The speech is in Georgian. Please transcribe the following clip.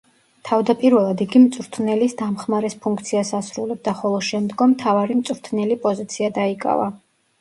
თავდაპირველად იგი მწვრთნელის დამხმარეს ფუნქციას ასრულებდა, ხოლო შემდგომ მთავარი მწვრთნელი პოზიცია დაიკავა.